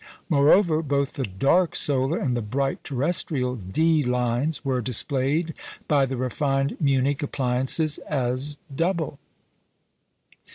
Moreover, both the dark solar and the bright terrestrial "D lines" were displayed by the refined Munich appliances as double.